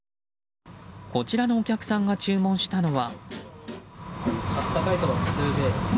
こちらのお客さんが注文したのは。